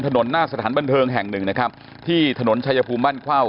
หน้าสถานบันเทิงแห่งหนึ่งนะครับที่ถนนชายภูมิบ้านเข้า